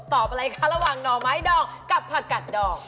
อะไรคะระหว่างหน่อไม้ดองกับผักกัดดอก